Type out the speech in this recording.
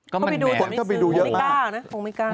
คนเข้าไปดูเยอะมาก